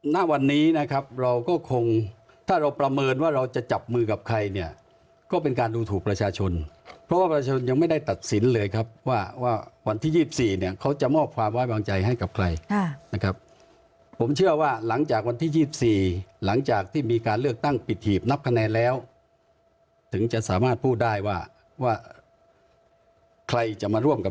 ณวันนี้นะครับเราก็คงถ้าเราประเมินว่าเราจะจับมือกับใครเนี่ยก็เป็นการดูถูกประชาชนเพราะว่าประชาชนยังไม่ได้ตัดสินเลยครับว่าว่าวันที่๒๔เนี่ยเขาจะมอบความไว้วางใจให้กับใครนะครับผมเชื่อว่าหลังจากวันที่๒๔หลังจากที่มีการเลือกตั้งปิดหีบนับคะแนนแล้วถึงจะสามารถพูดได้ว่าว่าใครจะมาร่วมกับ